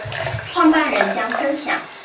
創辦人將分享